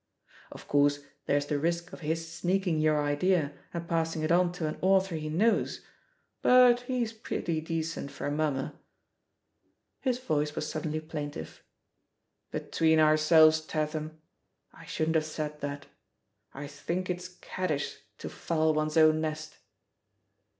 Of course, there's the risk of his sneaking your idea and passing it on to an author he knows, but he's pretty decent for a mmnmer." His voice was suddenly plaintive. "Between ourselves, Tatham! I shouldn't have said that; I think it's caddish to foul one's own nest.